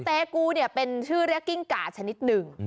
เตกูเนี่ยเป็นชื่อเรียกกิ้งกาชนิดหนึ่ง